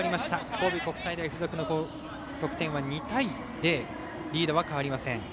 神戸国際大付属の得点は２対０リードは変わりません。